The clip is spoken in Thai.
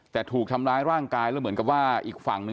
แต่ถูกทำร้ายร่างกายแล้วเหมือนกับว่าอีกฝั่งหนึ่ง